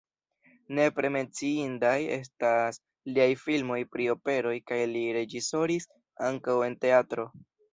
Nepre menciindaj estas liaj filmoj pri operoj kaj li reĝisoris ankaŭ en teatro.